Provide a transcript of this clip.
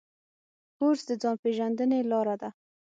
کورس د ځان پېژندنې لاره ده.